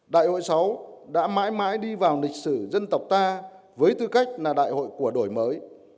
đại hội sáu đã mãi mãi đi vào lịch sử dân tộc ta với tư cách là đại hội của đổi mới